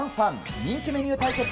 人気メニュー対決。